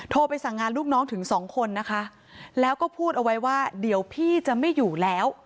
ไปสั่งงานลูกน้องถึงสองคนนะคะแล้วก็พูดเอาไว้ว่าเดี๋ยวพี่จะไม่อยู่แล้ว